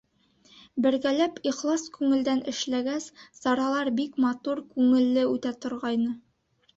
Бергәләп ихлас күңелдән эшләгәс, саралар бик матур, күңелле үтә торғайны.